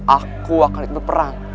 aku akan hidup berperang